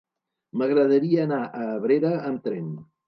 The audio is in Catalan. M'agradaria anar a Abrera amb tren.